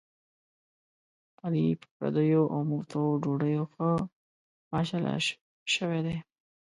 علي په پردیو اومفتو ډوډیو ښه ماشاءالله شوی دی.